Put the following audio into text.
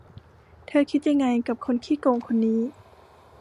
เธอคิดยังไงกับคนขี้โกงคนนี้